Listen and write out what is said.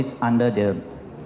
di bawah penyiksaan